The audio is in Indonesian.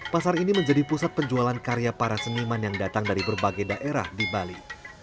pasar ini menjadi pusat penjualan karya para seniman yang datang dari berbagai daerah di bali